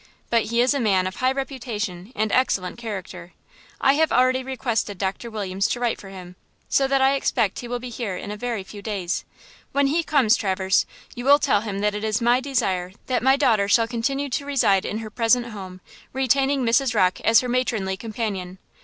But he is a man of high reputation and excellent character. I have already requested Doctor Williams to write for him, so that I expect he will be here in a very few days. When he comes, Traverse, you will tell him that it is my desire that my daughter shall continue to reside in her present home, retaining Mrs. Rocke as her matronly companion.